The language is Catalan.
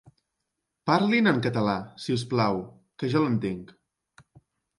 Parli'n en català, si us plau, que ja l'entenc.